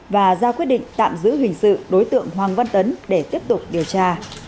và ra quyết định tạm giữ hình sự đối tượng hoàng văn tấn để tiếp tục điều tra